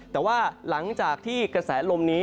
แต่ว่าหลังจากที่กระแสลมนี้